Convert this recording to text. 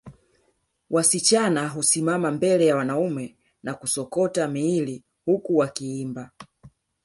Wasichana husimama mbele ya wanaume na kusokota miili huku wakiimba